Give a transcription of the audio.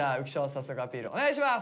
早速アピールお願いします。